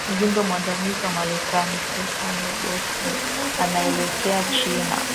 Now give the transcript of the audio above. mjumbe mwandamizi wa marekani stephen boswath anaelekea china